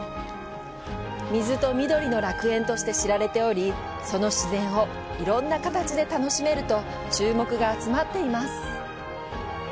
「水と緑の楽園」として知られており、その自然をいろんな形で楽しめると注目が集まっています！